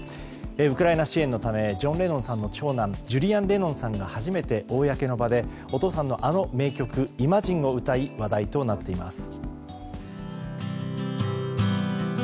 ウクライナ支援のためジョン・レノンさんの長男ジュリアン・レノンさんが初めて公の場でお父さんのあの名曲「イマジン」を歌い話題となっています。